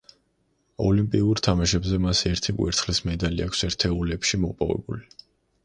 ოლიმპიურ თამაშებზე, მას ერთი ვერცხლის მედალი აქვს ერთეულებში მოპოვებული.